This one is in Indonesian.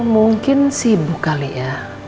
mungkin sibuk kali ya